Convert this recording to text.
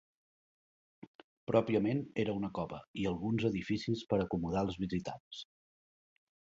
Pròpiament era una cova i alguns edificis per acomodar els visitants.